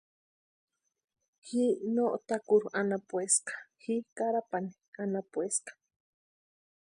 Ji no Takuru anapueska ji Carapani anapueska.